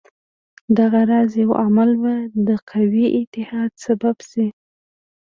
دغه راز یو عمل به د قوي اتحاد سبب شي.